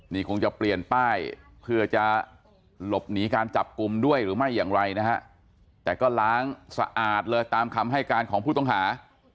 นี่คงจะเปลี่ยนป้ายเพื่อจะหลบหนีการจับกลุ่มด้วยหรือไม่อย่างไรนะฮะแต่ก็ล้างสะอาดเลยตามคำให้การของผู้ต้องหา